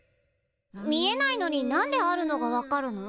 見えないのに何であるのが分かるの？